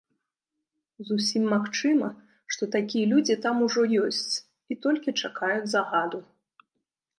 Зусім магчыма, што такія людзі там ужо ёсць і толькі чакаюць загаду.